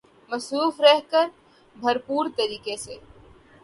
مصروف رہ کر بھرپور طریقے سے